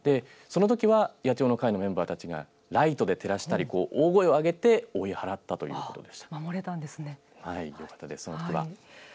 そのときは野鳥の会のメンバーたちがライトで照らしたり大声をあげて追い払ったということです。